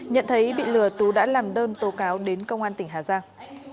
nhận thấy bị lừa tú đã làm đơn tố cáo đến công an tỉnh hà giang